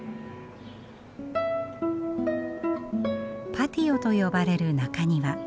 パティオと呼ばれる中庭。